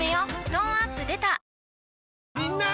トーンアップ出たみんな！